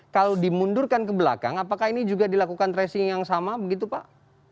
kalau dimundurkan ke belakang apakah ini juga dilakukan tracing yang sama begitu pak